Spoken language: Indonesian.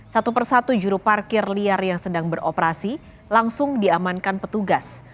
satu persatu juru parkir liar yang sedang beroperasi langsung diamankan petugas